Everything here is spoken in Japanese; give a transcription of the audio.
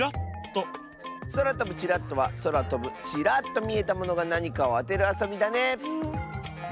「そらとぶチラッと」はそらとぶチラッとみえたものがなにかをあてるあそびだねえ。